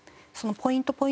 そのポイント